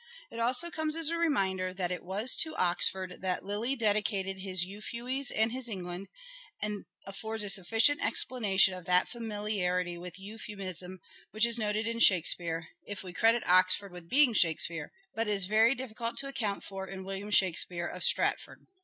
It also comes as a reminder that it was to Oxford that Lyly dedicated his " Euphues and his England," and affords a sufficient explanation of that familiarity with Euphuism which is noticed in Shakespeare, if we 154 " SHAKESPEARE " IDENTIFIED credit Oxford with being Shakespeare, but is very difficult to account for in William Shakspere of Stratford.